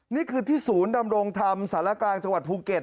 นี่คือที่ศูนย์ดำรงธรรมสารกลางจังหวัดภูเก็ต